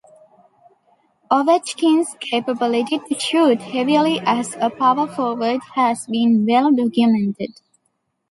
Ovechkin's capability to shoot heavily as a power forward has been well documented.